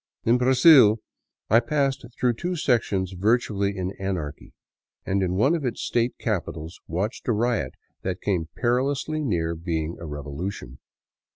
In Brazil I passed through two sections virtually in anarchy, and in one of its state capi tals watched a riot that came perilously near being a revolution.